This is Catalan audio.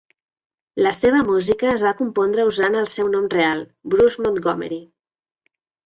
La seva música es va compondre usant el seu nom real, Bruce Montgomery.